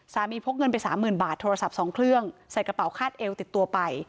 พกเงินไปสามหมื่นบาทโทรศัพท์๒เครื่องใส่กระเป๋าคาดเอวติดตัวไป